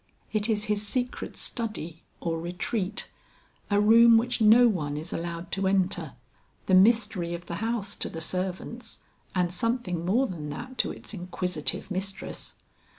It is his secret study or retreat, a room which no one is allowed to enter, the mystery of the house to the servants and something more than that to its inquisitive mistress.